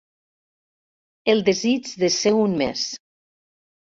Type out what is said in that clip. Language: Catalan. El desig de ser un més.